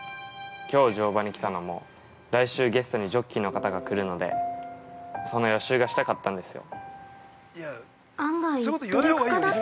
きょう乗馬に来たのも来週ゲストにジョッキーの方が来るので、その予習がしたかったんですよ。